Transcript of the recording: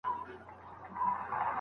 له سهاره راته ناست پر تش دېګدان دي